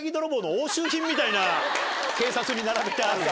みたいな警察に並べてあるな。